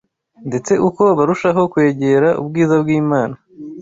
ndetse uko barushaho kwegera ubwiza bw’Imana